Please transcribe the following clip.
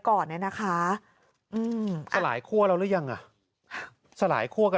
ก่อนเนี้ยนะคะอืมสลายคั่วแล้วหรือยังอ่ะสลายคั่วกัน